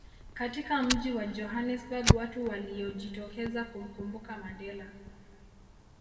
katika Mji wa Johannesburg watu waliojitokeza kumkumbuka Mandela